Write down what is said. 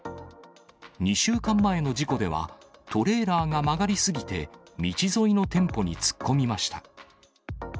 ２週間前の事故では、トレーラーが曲がり過ぎて、道沿いの店舗に突っ込みました。